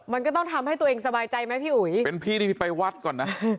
มันก็ต้องทำให้ตัวเองสบายใจไหมพี่อุ๋ยเป็นพี่ที่ไปวัดก่อนนะ